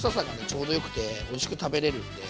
ちょうどよくておいしく食べれるんで。